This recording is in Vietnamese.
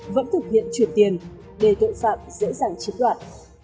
vẫn thực hiện truyền tiền để tội phạm dễ dàng chiếm đoạn